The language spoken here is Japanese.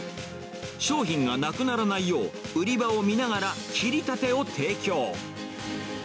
商品がなくならないよう、売り場を見ながら、切りたてを提供。